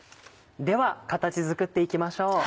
では形作っていきましょう。